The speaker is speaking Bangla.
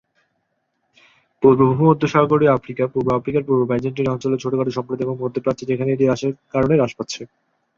পূর্ব ভূমধ্যসাগরীয় আফ্রিকা, পূর্ব আফ্রিকার পূর্ব বাইজেন্টীয় অঞ্চলে ছোটখাট সম্প্রদায় এবং মধ্য প্রাচ্যে যেখানে এটি হ্রাসের কারণে হ্রাস পাচ্ছে।